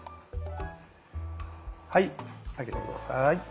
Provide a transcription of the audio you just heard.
はい上げて下さい。